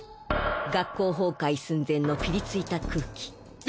学校崩壊寸前のピリついた空気。